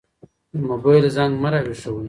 د موبايل زنګ ما راويښوي.